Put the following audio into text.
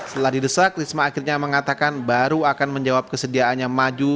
setelah didesak risma akhirnya mengatakan baru akan menjawab kesediaannya maju